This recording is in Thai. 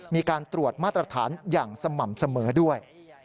มีการตรวจมาตรฐานอย่างสม่ำเสมอด้วย